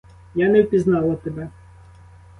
Я не впізнала тебе.